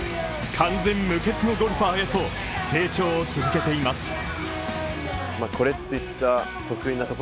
完全無欠のゴルファーへと成長を続けています